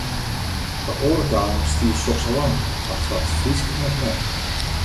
Foar oare talen bestie soks al lang, mar foar it Frysk noch net.